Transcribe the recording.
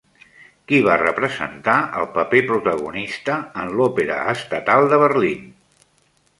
Qui va representar el paper protagonista en l'Òpera Estatal de Berlín?